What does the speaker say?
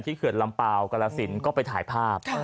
เขื่อนลำเปล่ากรสินก็ไปถ่ายภาพ